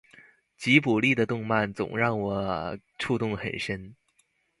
吉卜力的动漫总让我触动很深